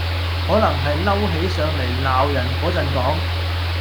可能係嬲起上黎鬧人果陣講